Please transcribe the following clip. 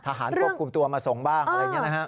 ทหารปกกลุ่มตัวมาส่งบ้างอะไรอย่างนี้นะฮะ